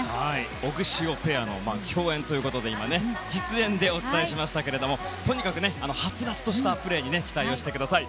オグシオペアの競演ということで、実演でお伝えしましたが、とにかくはつらつとしたプレーに期待してください。